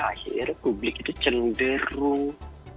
akhir publik itu cenderung